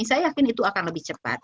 saya yakin itu akan lebih cepat